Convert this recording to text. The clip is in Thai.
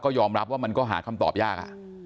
ยอมรับว่ามันก็หาคำตอบยาก